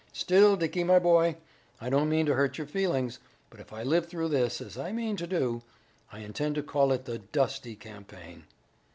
Still, Dickie, my boy, I don't mean to hurt your feelings, but if I live through this, as I mean to do, I intend to call it the Dusty Campaign."